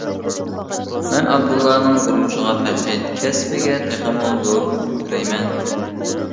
مەن ئابدۇللانىڭ تۇرمۇشىغا بەخت، كەسپىگە تېخىمۇ زور ئۇتۇق تىلەيمەن.